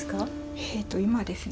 えと今ですね